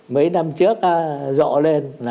mấy năm trước rộ lên